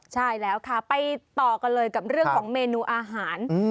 ใช่แล้วค่ะไปต่อกันเลยกับเรื่องของเมนูอาหาร